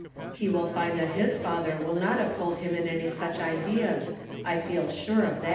He will find that his father will not uphold him in any such ideas, I feel sure of that.